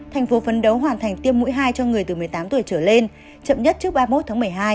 thành phố phấn đấu hoàn thành tiêm mũi hai cho người từ một mươi tám tuổi trở lên chậm nhất trước ba mươi một tháng một mươi hai